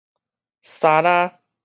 沙拉